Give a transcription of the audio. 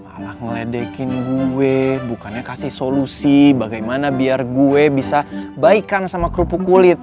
malah ngeledekin gue bukannya kasih solusi bagaimana biar gue bisa baikan sama kerupuk kulit